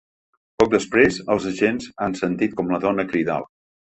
Poc després, els agents han sentit com la donava cridava.